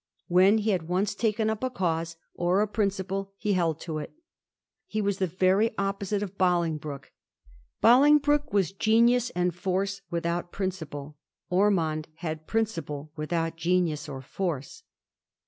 When he had once taken up a cause or a principle, he held to it. He was the very opposite to Bolingbroke. Bolingbroke was genius and force without principle. Ormond had principle without genius or force.